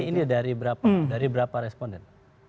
ini dari berapa responden